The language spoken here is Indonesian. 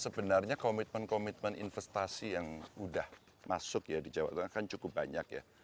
sebenarnya komitmen komitmen investasi yang sudah masuk ya di jawa tengah kan cukup banyak ya